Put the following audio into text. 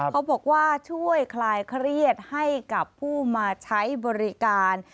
เขาบอกว่าช่วยคลายเครียดให้กับผู้มาใช้บริการ